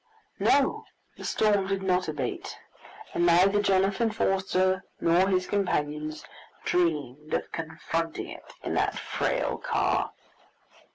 No! the storm did not abate, and neither Jonathan Forster nor his companions dreamed of confronting it in that frail car.